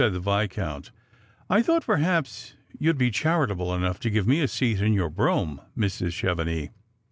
the Viscount ," I thought perhaps you'd he charitable euougli to give me a seat in your brougham, Mrs. Chevenix.